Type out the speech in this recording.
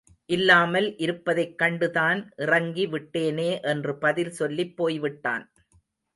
இல்லாமல் இருப்பதைக் கண்டுதான் இறங்கி விட்டேனே என்று பதில் சொல்லிப் போய்விட்டான்.